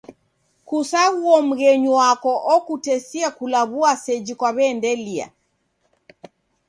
Kusaghuo mghenyu wako okutesia kulaw'ua seji kwaendelia.